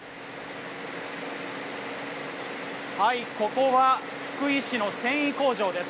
ここは福井市の繊維工場です。